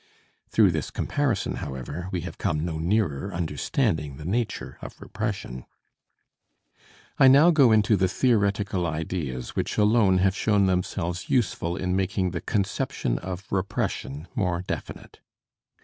Through this comparison, however, we have come no nearer understanding the nature of repression. I now go into the theoretical ideas which alone have shown themselves useful in making the conception of repression more definite.